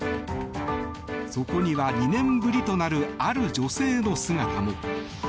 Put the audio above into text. そこには２年ぶりとなるある女性の姿も。